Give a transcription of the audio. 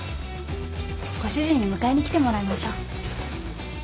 ご主人に迎えに来てもらいましょう。